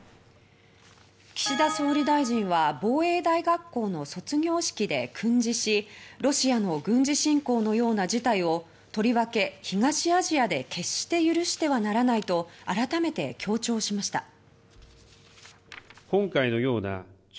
岸田総理大臣は防衛大学校の卒業式で訓示しロシアの軍事侵攻のような事態をとりわけ東アジアで決して許してはならないと改めて強調しました。